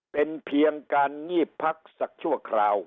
เป็นเพียงการงีบพักสักชั่วคราว